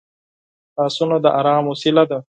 لاسونه د ارام وسیله ده